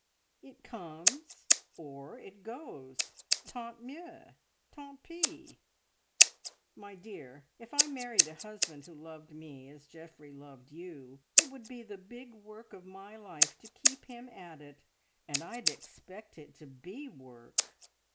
It comes, or it goes. Tant mieux! Tant pis! My dear, if I married a husband who loved me as Geoffrey loved you, it would be the big work of my life to keep him at it, and I'd expect it to be work!